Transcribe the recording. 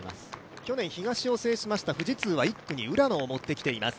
去年、東を制しました富士通は、１区に浦野を持ってきています。